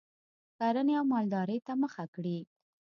کرنې او مالدارۍ ته مخه کړي